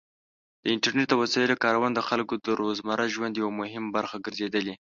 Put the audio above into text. د انټرنیټ د وسایلو کارونه د خلکو د روزمره ژوند یو مهم برخه ګرځېدلې.